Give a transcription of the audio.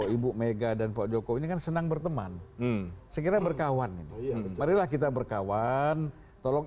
ibu mega dan pak jokowi kan senang berteman sekiranya berkawan ini marilah kita berkawan tolong